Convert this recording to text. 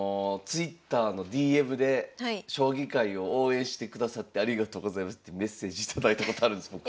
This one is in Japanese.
ＴｗｉｔｔｅｒのＤＭで「将棋界を応援してくださってありがとうございます」ってメッセージ頂いたことあるんです僕。